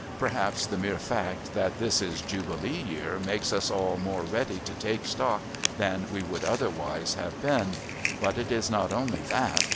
Perhaps the mere fact that this is Jubilee Year makes us all more ready to take stock than we would otherwise have been. But it is not only that.